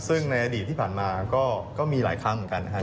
ซึ่งในอดีตที่ผ่านมาก็มีหลายครั้งเหมือนกันนะครับ